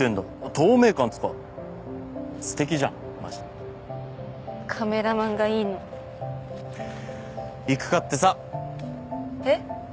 透明感っつうかすてきじゃんマジカメラマンがいいの行くかってさえっ？